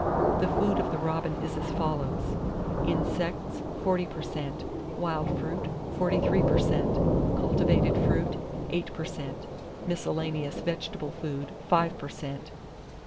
The food of the robin is as follows: Insects, 40 per cent; wild fruit, 43 per cent; cultivated fruit, 8 per cent, miscellaneous vegetable food, 5 per cent.